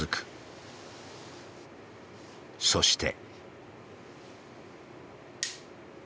そして。